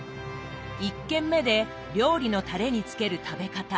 １軒目で料理のタレにつける食べ方。